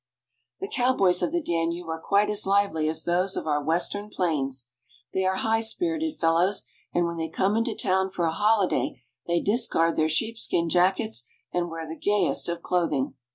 The cowboys of the Danube are quite as lively as those of our Western plains. They are high spirited fellows, and when they come into town for a holiday they discard their sheepskin jackets, and wear the gayest of clothing.